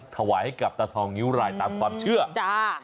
ถวายให้กับตาทองนิ้วรายตามความเชื่อจ้า